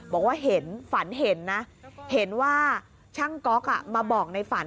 บอกว่าเห็นฝันเห็นนะเห็นว่าช่างก๊อกมาบอกในฝัน